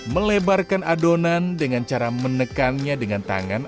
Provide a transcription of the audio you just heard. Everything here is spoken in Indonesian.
melebarkan adonan dengan cara menekannya dengan tangan